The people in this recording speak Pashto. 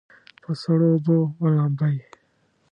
په سړو اوبو ولامبئ.